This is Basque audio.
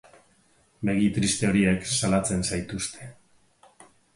Begi triste horiek salatzen zaituzte.